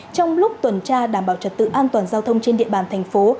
trong lúc tuần tra đảm bảo trật tự an toàn giao thông trên địa bàn thành phố